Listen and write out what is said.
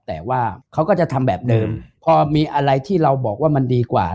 แต่ว่าเขาก็จะทำแบบเดิมพอมีอะไรที่เราบอกว่ามันดีกว่า